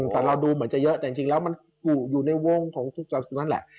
แต่เราดูเหมือนจะเยอะแต่จริงแล้วมันอยู่ในวงของนั่นแหละ